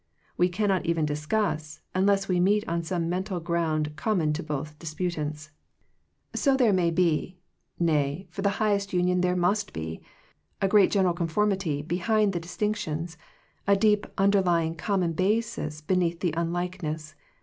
We cannot even discuss, unless we meet on some mental ground com mon to both disputants. So there may 101 Digitized by VjOOQIC THE CHOICE OF FRIENDSHIP be, nay, for the highest union there must be, a great general conformity behind the distinctions, a deep underlying common basis beneath the unlikeness.